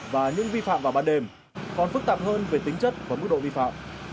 và những vi phạm vào ban đêm còn phức tạp hơn về tính chất và mức độ vi phạm